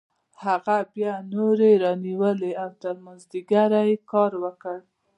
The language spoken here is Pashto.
هغه بیا نورې رانیولې او تر مازدیګره یې کار وکړ